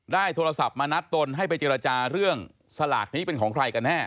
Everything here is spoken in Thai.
โทรศัพท์มานัดตนให้ไปเจรจาเรื่องสลากนี้เป็นของใครกันแน่